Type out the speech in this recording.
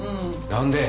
何で？